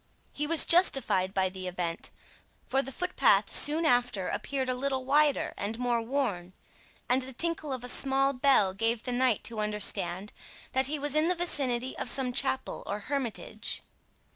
He was justified by the event; for the footpath soon after appeared a little wider and more worn, and the tinkle of a small bell gave the knight to understand that he was in the vicinity of some chapel or hermitage.